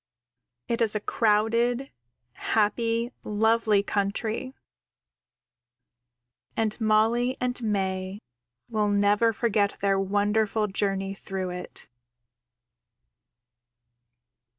It is a crowded, happy, lovely country, and Molly and May will never forget their wonderful journey through it.